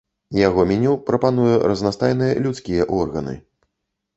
Яго меню прапануе разнастайныя людскія органы.